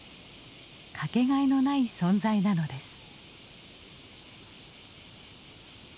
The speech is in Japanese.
かけがえのない存在なのです。